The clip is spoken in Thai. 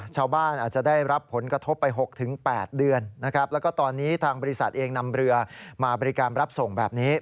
ชาวบ้านอาจจะได้รับผลกระทบไป๖๘เดือนนะครับแล้วก็ตอนนี้ทางบริษัทเองนำเรือมาบริการรับส่งแบบนี้